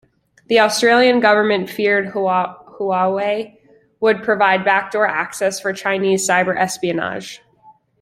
The Australian government feared Huawei would provide backdoor access for Chinese cyber espionage.